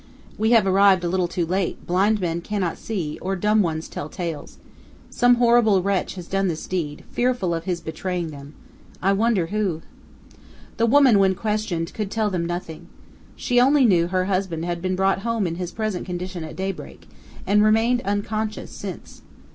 "We have arrived a little too late; blind men cannot see, or dumb ones tell tales. Some horrible wretch has done this deed, fearful of his betraying them. I wonder who?" The woman, when questioned, could tell them nothing. She only knew her husband had been brought home in his present condition at daybreak, and remained unconscious since.